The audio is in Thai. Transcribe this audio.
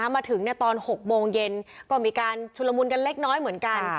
มาถึงตอน๖โมงเย็นก็มีการชุลมุนกันเล็กน้อยเหมือนกัน